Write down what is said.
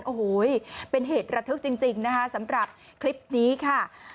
โอ้โหเป็นเหตุระทึกจริงนะคะสำหรับคลิปนี้ค่ะ